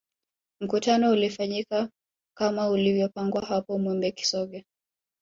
Mkutano ulifanyika kama ulivyopangwa hapo Mwembe Kisonge